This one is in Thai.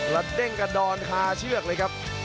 แล้วเด้งกระดอนคาเชือกเลยครับ